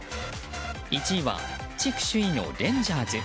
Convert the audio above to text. １位は、地区首位のレンジャーズ。